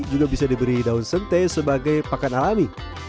juga bisa diberi daun sente sebagai pakan alami